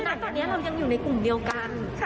ณตอนนี้เรายังอยู่ในกลุ่มเดียวกัน